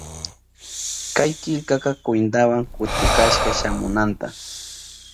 Kay killkaka kwintawan kutikashka shamunanta.